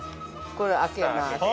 ◆これ、開けます。